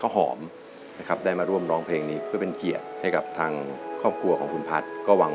หวังว่าคุณภัทธ์จะเคร่งดูแลลูกที่สอง